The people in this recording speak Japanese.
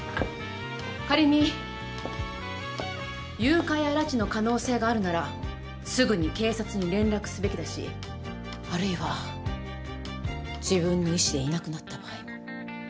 仮に誘拐や拉致の可能性があるならすぐに警察に連絡すべきだしあるいは自分の意思でいなくなった場合も。